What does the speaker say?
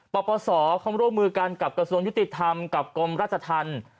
ปปศเขาร่วมมือกันกับกระทรวงยุติธรรมกับกรมราชธรรม